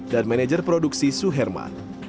dan manager produksi su herman